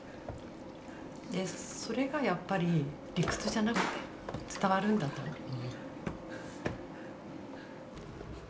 それがやっぱり理屈じゃなくて伝わるんだと思う。